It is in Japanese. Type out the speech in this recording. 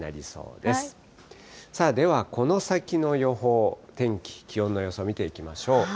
では、この先の予報、天気、気温の予想を見ていきましょう。